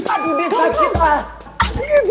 aduh dia kaget